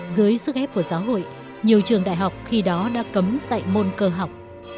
dưới sức ép của giáo hội nhiều trường đại học khi đó đã cấm dạy môn cơ học